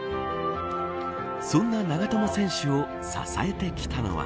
そんな長友選手を支えてきたのは。